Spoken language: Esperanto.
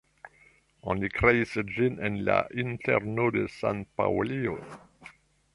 Oni kreis ĝin en la interno de San-Paŭlio.